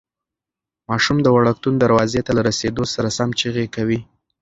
ماشوم د وړکتون دروازې ته له رارسېدو سره سم چیغې کوي.